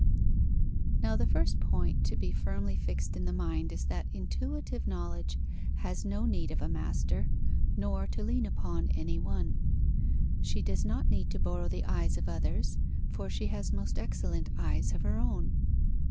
_ Now, the first point to be firmly fixed in the mind is that intuitive knowledge has no need of a master, nor to lean upon any one; she does not need to borrow the eyes of others, for she has most excellent eyes of her own.